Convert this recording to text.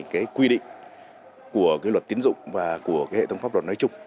cái quy định của cái luật tiến dụng và của cái hệ thống pháp luật nói chung